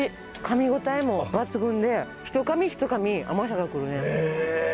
かみ応えも抜群で一かみ一かみ甘さがくるね。ね。